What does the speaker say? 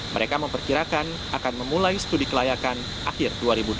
mereka memperkirakan akan memulai studi kelayakan akhir dua ribu delapan belas